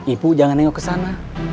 ibu jangan nengok kesana